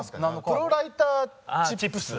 プロライターチップス。